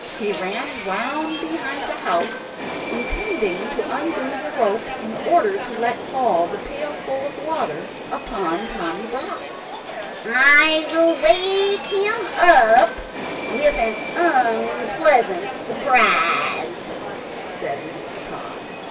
He ran round behind the house, intending to undo the rope in order to let fall the pailful of water upon Tommy Brock "I will wake him up with an unpleasant surprise," said Mr. Tod.